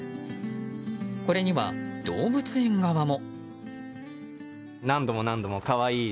これには、動物園側も。